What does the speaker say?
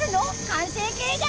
完成形が。